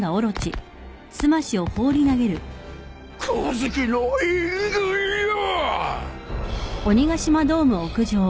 光月の援軍よ。